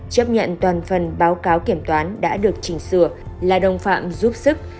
chấp nhận toàn phần báo cáo kiểm toán đã được chỉnh sửa là đồng phạm giúp sức